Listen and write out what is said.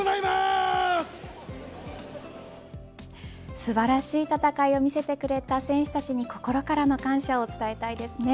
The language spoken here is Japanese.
素晴らしい戦いを見せてくれた選手たちに心からの感謝を伝えたいですね。